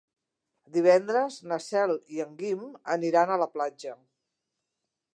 Divendres na Cel i en Guim aniran a la platja.